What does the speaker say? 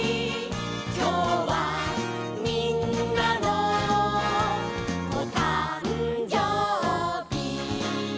「きょうはみんなのおたんじょうび」